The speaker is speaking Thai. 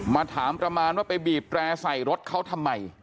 มาถามประมาณว่าไปบีบแร่ใส่รถเขาทำไม